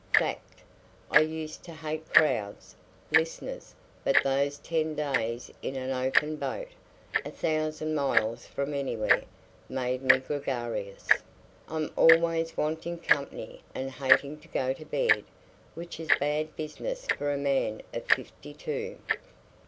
Fact. I used to hate crowds, listeners; but those ten days in an open boat, a thousand miles from anywhere, made me gregarious. I'm always wanting company and hating to go to bed, which is bad business for a man of fifty two."